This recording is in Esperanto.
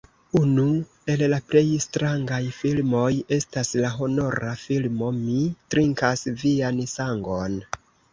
Unu el la plej strangaj filmoj estas la horora filmo "Mi trinkas vian sangon".